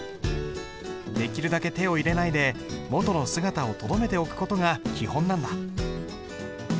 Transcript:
できるだけ手を入れないで元の姿をとどめておく事が基本なんだ。